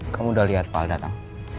kamu sudah lihat pak al datang